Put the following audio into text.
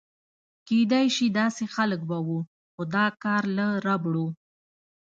کېدای شي داسې خلک به و، خو دا کار له ربړو.